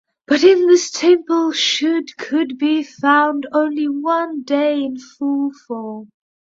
But in this temple should could be found only one day in full form.